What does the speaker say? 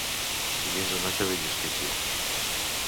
I és un acte de justícia.